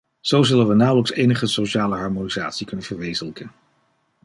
Zo zullen we nauwelijks enige sociale harmonisatie kunnen verwezenlijken.